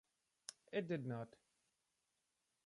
It did not.